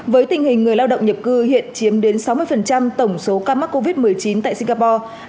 với tình hình người lao động nhập cư hiện chiếm đến sáu mươi tổng số ca mắc covid một mươi chín tại singapore